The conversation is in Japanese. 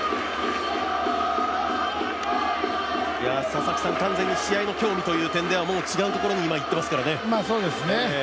佐々木さん、完全に、試合の興味という点では違うところにいってますからね。